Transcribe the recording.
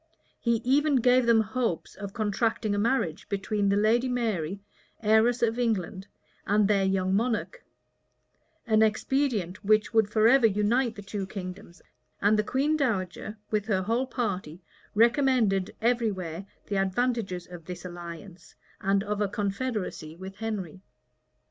[*] He even gave them hopes of contracting a marriage between the lady Mary, heiress of England, and their young monarch; an expedient which would forever unite the two kingdoms:[] and the queen dowager, with her whole party, recommended every where the advantages of this alliance, and of a confederacy with Henry.